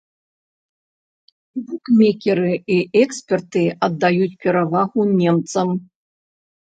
Букмекеры і эксперты аддаюць перавагу немцам.